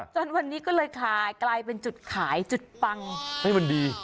จนวันนี้ก็เลยขายกลายเป็นจุดขายจุดปังให้มันดี